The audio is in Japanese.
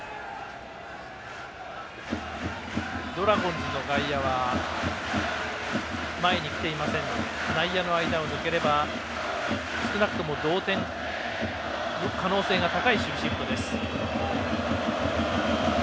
ドラゴンズの外野は前に来ていませんので内野の間を抜ければ少なくとも同点の可能性が高い守備シフトです。